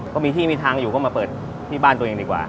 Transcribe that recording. ก็มีที่มีทางอยู่ก็มาเปิดที่บ้านตัวเองดีกว่า